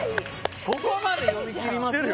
ここまで読みきります？